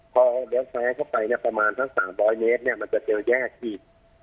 พอเหล้าซ้ายเข้าไปประมาณทั้ง๓๐๐เมตรมันจะเจอแยกที่